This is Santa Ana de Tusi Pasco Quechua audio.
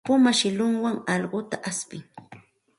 Puma shillunwan allquta ashpin.